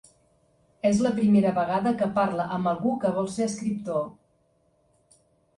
És la primera vegada que parla amb algú que vol ser escriptor.